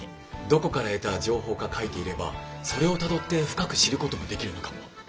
どこから得た情報か書いていればそれをたどって深く知ることもできるのかも。